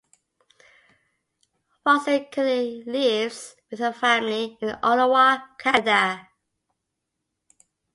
Fawcett currently lives with her family in Ottawa, Canada.